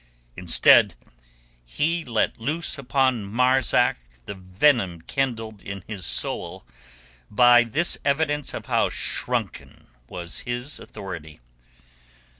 Instead he let loose upon Marzak the venom kindled in his soul by this evidence of how shrunken was his authority.